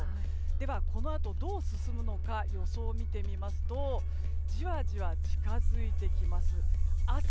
では、このあとどう進むのか予想を見てみますとじわじわ近づいてきます。